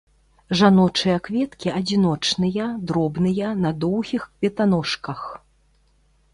Жаночыя кветкі адзіночныя, дробныя, на доўгіх кветаножках.